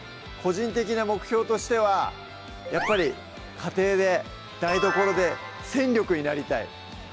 個人的な目標としてはやっぱり「家庭で台所で戦力になりたい！」